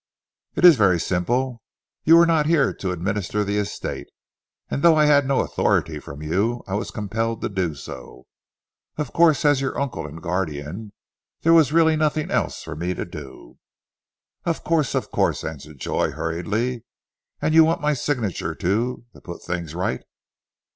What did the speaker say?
"It is very simple. You were not here to administer the estate, and though I had no authority from you, I was compelled to do so. Of course as your uncle and guardian there was really nothing else for me to do." "Of course! Of course!" answered Joy hurriedly. "And you want my signature to to put things right."